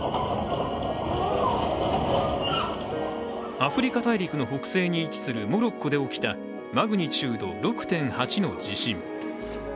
アフリカ大陸の北西に位置するモロッコで起きたマグニチュード６．８の地震。